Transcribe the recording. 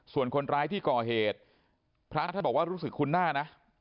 ส่วนคนร้ายที่ก่อเหตุพระท่านบอกว่ารู้สึกคุ้นหน้านะ